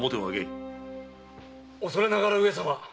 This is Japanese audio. おそれながら上様。